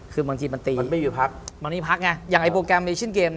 คือบางทีมันตีมันไม่มีพักอย่างโปรแกรมเมชินเกม